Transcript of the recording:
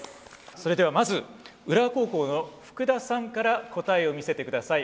それではまず浦和高校の福田さんから答えを見せてください。